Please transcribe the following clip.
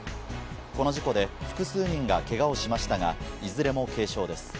この事故で複数人がけがをしましたが、いずれも軽傷です。